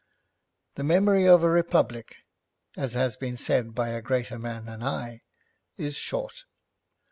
The memory of a republic, as has been said by a greater man than I, is short.